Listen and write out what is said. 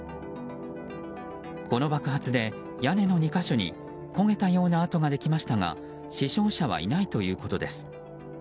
この爆発で屋根の２か所に焦げたような跡ができましたが死傷者はいないということです。